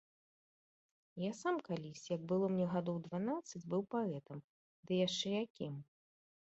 Я сам калісь, як было мне гадоў дванаццаць, быў паэтам, ды яшчэ якім!